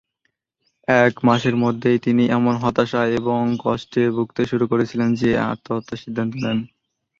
এক মাসের মধ্যেই তিনি এমন হতাশা এবং কষ্টে ভুগতে শুরু করেছিলেন যে আত্মহত্যার সিদ্ধান্ত নেন।